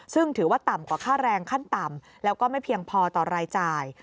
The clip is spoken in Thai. ซึ่งถือว่าต่ำกว่าค่าแรงขั้นต่ำแล้วก็ไม่เพียงพอต่อรายจ่าย